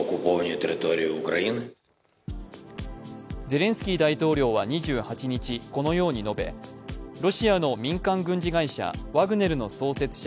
ゼレンスキー大統領は２８日、このように述べロシアの民間軍事会社・ワグネルの創設者